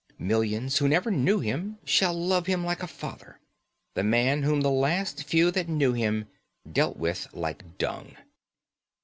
Millions who never knew him shall love him like a father this man whom the last few that knew him dealt with like dung.